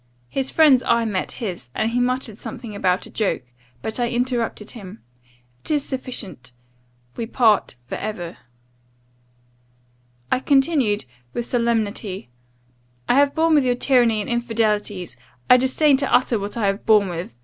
His friend's eye met his, and he muttered something about a joke But I interrupted him 'It is sufficient We part for ever.' "I continued, with solemnity, 'I have borne with your tyranny and infidelities. I disdain to utter what I have borne with.